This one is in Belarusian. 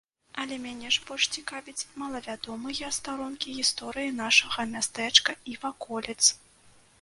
Але мяне ж больш цікавяць малавядомыя старонкі гісторыі нашага мястэчка і ваколіц.